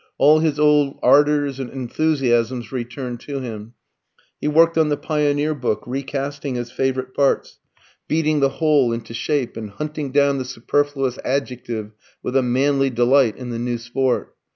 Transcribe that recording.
All his old ardours and enthusiasms returned to him; he worked on the Pioneer book, recasting his favourite parts, beating the whole into shape, and hunting down the superfluous adjective with a manly delight in the new sport.